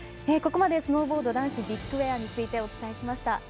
ここまでスノーボード男子ビッグエアをお伝えしました。